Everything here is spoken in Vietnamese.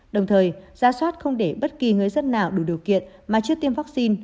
đồng thời ra soát không để bất kỳ người dân nào đủ điều kiện mà chưa tiêm vaccine